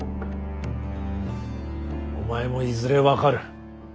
お前もいずれ分かる。